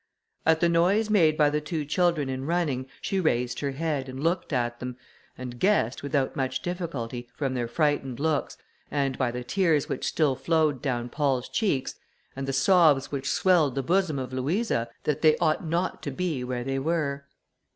At the noise made by the two children in running, she raised her head, looked at them, and guessed, without much difficulty, from their frightened looks, and by the tears which still flowed down Paul's cheeks, and the sobs which swelled the bosom of Louisa, that they ought not to be where they were.